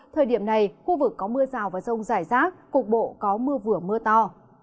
thời điểm này khu vực có mưa rào và rông rải rác cục bộ có mưa vừa mưa to